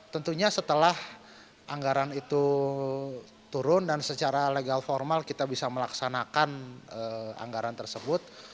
tentunya setelah anggaran itu turun dan secara legal formal kita bisa melaksanakan anggaran tersebut